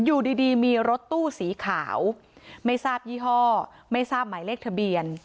อยู่ดีมีรถตู้สีขาวไม่ทราบยี่ห้อไม่ทราบหมายเลขทะเบียน